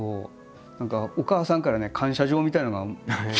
お母さんからね感謝状みたいなのが。